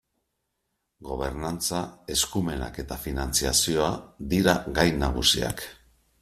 Gobernantza, eskumenak eta finantzazioa dira gai nagusiak.